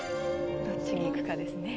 どっちにいくかですね。